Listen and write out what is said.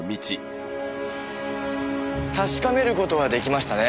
確かめる事は出来ましたね。